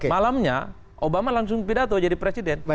malamnya obama langsung pidato jadi presiden